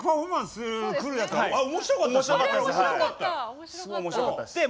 すごい面白かったです。